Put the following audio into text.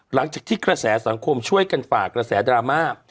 หลังจากที่กระแสสังคมช่วยกันฝ่ากระแสดราม่า